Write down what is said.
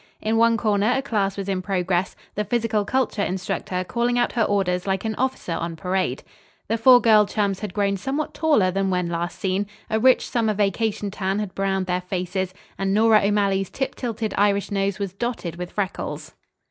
In one corner a class was in progress, the physical culture instructor calling out her orders like an officer on parade. The four girl chums had grown somewhat taller than when last seen. A rich summer vacation tan had browned their faces and Nora O'Malley's tip tilted Irish nose was dotted with freckles.